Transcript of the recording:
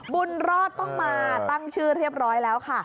บุญรอดต้องมาตั้งชื่อเรียบร้อยแล้วค่ะ